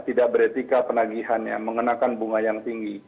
tidak beretika penagihannya mengenakan bunga yang tinggi